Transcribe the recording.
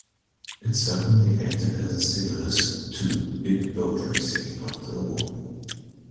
It certainly acted as a stimulus to big boat racing after the war.